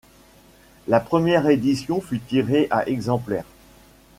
La première édition fut tirée à exemplaires.